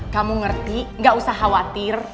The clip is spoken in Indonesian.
kamu ngerti gak usah khawatir